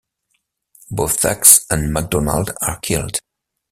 Both Sachs and MacDonald are killed.